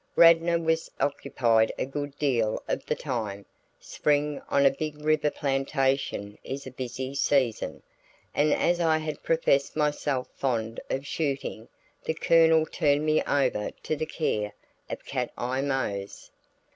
Radnor was occupied a good deal of the time spring on a big river plantation is a busy season and as I had professed myself fond of shooting, the Colonel turned me over to the care of Cat Eye Mose.